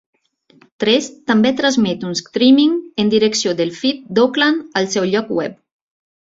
Tres també transmet un streaming en directe del feed d'Auckland al seu lloc web.